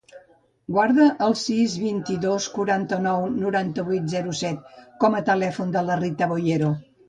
Guarda el sis, vint-i-dos, quaranta-nou, noranta-vuit, zero, set com a telèfon de la Rita Boyero.